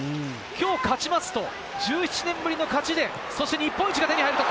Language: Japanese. きょう勝ちますと１７年ぶりの勝ちで、そして日本一が手に入ると。